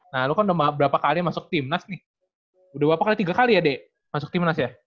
nah lu kan udah berapa kali masuk timnas nih udah berapa kali tiga kali ya de masuk timnas ya